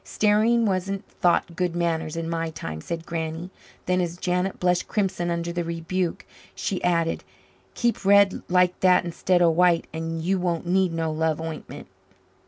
"Staring wasn't thought good manners in my time," said Granny. Then, as Janet blushed crimson under the rebuke, she added, "Keep red like that instead o' white, and you won't need no love ointment."